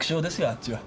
あっちは。